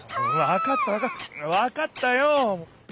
わかったわかったわかったよ！